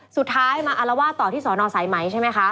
สุดท้ายมาอารวาสต่อที่สอนอสายไหมใช่ไหมคะ